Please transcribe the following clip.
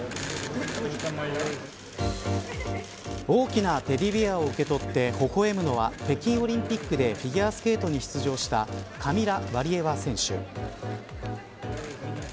大きなテディベアを受け取ってほほ笑むのは北京オリンピックでフィギュアスケートに出場したカミラ・ワリエワ選手。